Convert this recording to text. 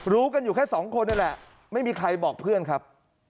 กันอยู่แค่สองคนนั่นแหละไม่มีใครบอกเพื่อนครับ